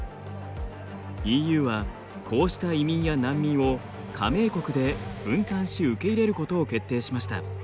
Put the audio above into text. ＥＵはこうした移民や難民を加盟国で分担し受け入れることを決定しました。